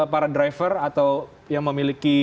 para driver atau yang memiliki